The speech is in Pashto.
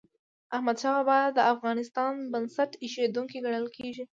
احمدشاه بابا د افغانستان بنسټ ايښودونکی ګڼل کېږي.